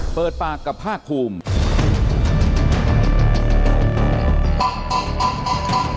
เปิดปากกับภาคภูมิ